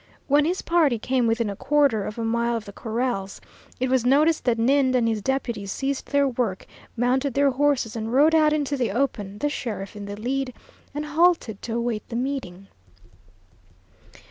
When his party came within a quarter of a mile of the corrals, it was noticed that Ninde and his deputies ceased their work, mounted their horses, and rode out into the open, the sheriff in the lead, and halted to await the meeting.